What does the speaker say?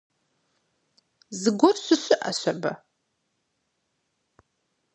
Зыгуэр щыщыӀэщ абы…